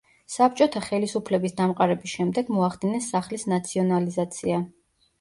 საბჭოთა ხელისუფლების დამყარების შემდეგ მოახდინეს სახლის ნაციონალიზაცია.